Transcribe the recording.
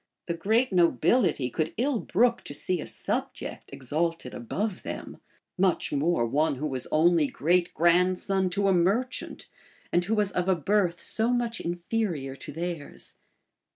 The great nobility could ill brook to see a subject exalted above them; much more one who was only great grandson to a merchant, and who was of a birth so much inferior to theirs.